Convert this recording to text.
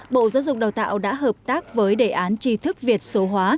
bộ giáo dục đào tạo đã hợp tác với đề án tri thức việt số hóa